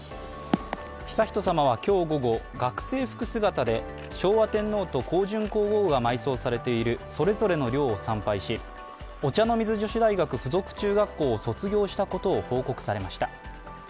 悠仁さまは今日午後、学生服姿で昭和天皇と香淳皇后が埋葬されているそれぞれの陵を参拝し、お茶の水女子大学附属中学校を卒業したことを報告されました。